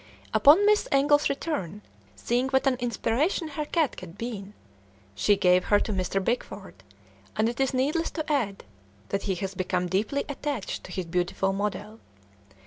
Upon Miss Engle's return, seeing what an inspiration her cat had been, she gave her to Mr. Bickford, and it is needless to add that he has become deeply attached to his beautiful model.